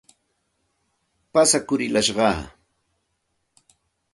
Pasakurillashqaa.